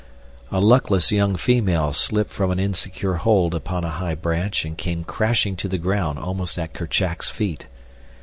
A luckless young female slipped from an insecure hold upon a high branch and came crashing to the ground almost at Kerchak's feet.